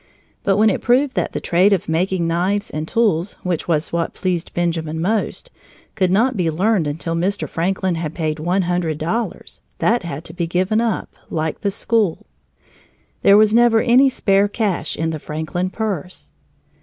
But when it proved that the trade of making knives and tools, which was what pleased Benjamin most, could not be learned until Mr. Franklin had paid one hundred dollars, that had to be given up, like the school. There was never any spare cash in the Franklin purse.